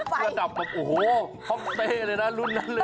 ระดับแบบโอ้โหคอปเซเลยนะลุนนั้นเลยนะ